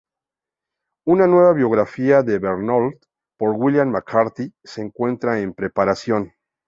Una nueva biografía de Barbauld por William McCarthy se encuentra en preparación.